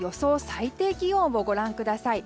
最低気温をご覧ください。